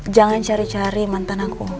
jangan cari cari mantan aku